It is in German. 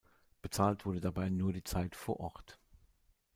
Bezahlt wurde dabei nur die Zeit vor Ort.